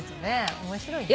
面白いね。